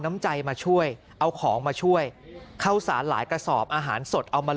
น้ำใจมาช่วยเอาของมาช่วยข้าวสารหลายกระสอบอาหารสดเอามา